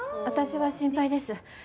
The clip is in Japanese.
私は心配です。